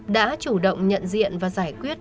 đã chủ động nhận diện và giải quyết